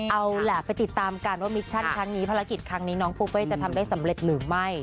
เอาล่ะไปติดตามกันว่ามิชชั่นครั้งนี้ภารกิจครั้งนี้น้องปูเป้จะทำได้สำเร็จหรือไม่